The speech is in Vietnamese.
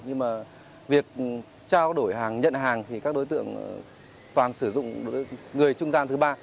nhưng mà việc trao đổi hàng nhận hàng thì các đối tượng toàn sử dụng người trung gian thứ ba